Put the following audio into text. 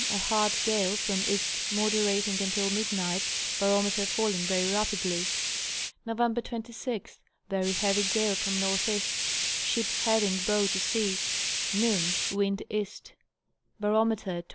a hard gale from east, moderating until midnight, barometer falling very rap idly. Nov. 26th, very heavy gale from NE., ship heading bow to sea ; noon, wind east, barometer 28.